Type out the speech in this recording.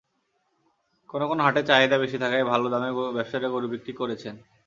কোনো কোনো হাটে চাহিদা বেশি থাকায় ভালো দামে ব্যবসায়ীরা গরু বিক্রি করেছেন।